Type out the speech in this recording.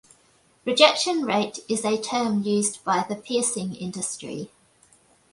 Rejection rate is a term used by the piercing industry.